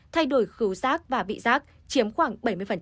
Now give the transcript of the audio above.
thay đổi khẩu giác và vị giác chiếm khoảng bảy mươi